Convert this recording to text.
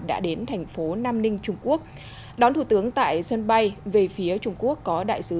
đã đến thành phố nam ninh trung quốc đón thủ tướng tại sân bay về phía trung quốc có đại sứ